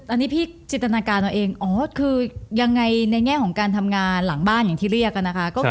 อันนี้พี่จิตนาการเราเองยังไงในแง่ของการทำงานหลังบ้านอย่างที่เรียก